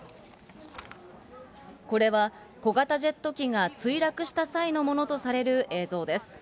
これは小型ジェット機が墜落した際のものとされる映像です。